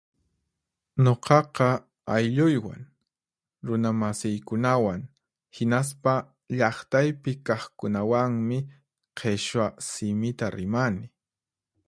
Nuqaqa aylluywan, runamasiykunawan, hinaspa llaqtaypi kaqkunawanmi Qhichwa simita rimani.